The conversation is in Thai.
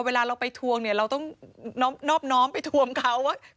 เวลาเราไปทวงเนี่ยเราต้องนอบน้อมไปทวงเขาว่า